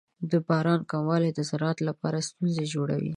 د باران کموالی د زراعت لپاره ستونزې جوړوي.